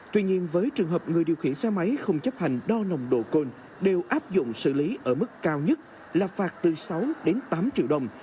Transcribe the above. tuy nhiên với trường hợp người điều khiển xe máy không chấp hành đo nồng độ cồn đều áp dụng xử lý ở mức cao nhất là phạt từ sáu đến tám triệu đồng